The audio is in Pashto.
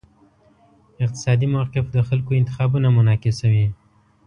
اقتصادي موقف د خلکو انتخابونه منعکسوي.